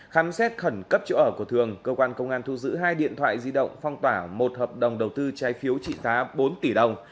khám xét khẩn cấp chỗ ở của thường cơ quan công an thu giữ hai điện thoại di động phong tỏa một hợp đồng đầu tư trái phiếu trị giá bốn tỷ đồng